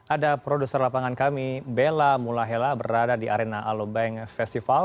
ada produser lapangan kami bella mulahela berada di arena alobank festival